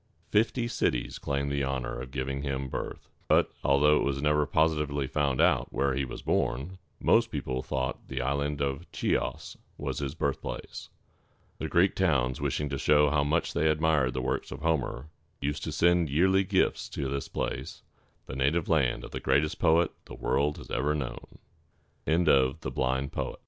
Fifty cities claimed the honor of giving him birth; but, although it was never positively found out where he was born, most people thought the Island of Chi´os was his birthplace. The Greek towns, wishing to show how much they admired the works of Homer, used to send yearly gifts to this place, the native